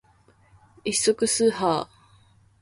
一足す一は一ー